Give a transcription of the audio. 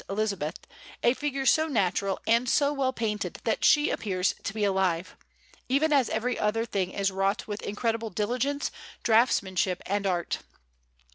Elizabeth, a figure so natural and so well painted that she appears to be alive, even as every other thing is wrought with incredible diligence, draughtsmanship, and art.